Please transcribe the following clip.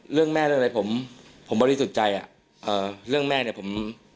เรื่องแม่เรื่องอะไรผมผมบริสุทธิ์ใจอ่ะเอ่อเรื่องแม่เนี่ยผม